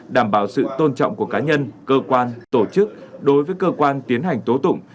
đảm bảo sự tôn trọng của cá nhân cơ quan tổ chức đối với cơ quan tiến hành tố tụng